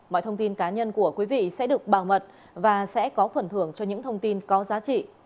mọi thông tin cá nhân của quý vị sẽ được bảo mật và sẽ có phần thưởng cho những thông tin có giá trị